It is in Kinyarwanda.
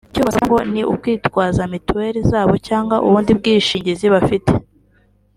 icyo basabwa ngo ni ukwitwaza mituweri zabo cyangwa ubundi bwishingizi bafite